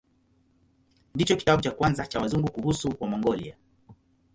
Ndicho kitabu cha kwanza cha Wazungu kuhusu Wamongolia.